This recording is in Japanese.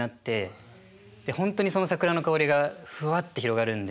で本当にその桜の香りがふわって広がるんで。